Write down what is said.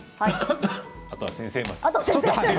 あとは先生待ち。